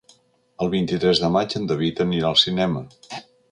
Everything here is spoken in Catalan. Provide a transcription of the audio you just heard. El vint-i-tres de maig en David anirà al cinema.